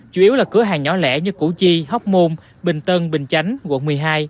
chủ yếu là cửa hàng nhỏ lẻ như củ chi hóc môn bình tân bình chánh quận một mươi hai